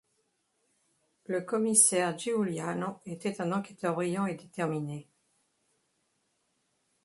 Le commissaire Giuliano était un enquêteur brillant et déterminé.